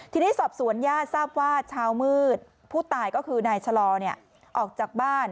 ทีนี้สอบสวนญาติทราบว่าเช้ามืดผู้ตายก็คือนายชะลอออกจากบ้าน